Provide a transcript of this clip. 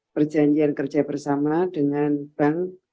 perjanjian kerja bersama dengan bank